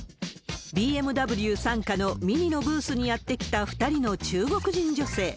ＢＭＷ傘下のＭＩＮＩのブースにやって来た２人の中国人女性。